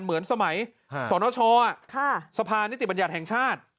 เหมือนสมัยสลโชชอสภานนิตยบรรยาชแห่งชาติ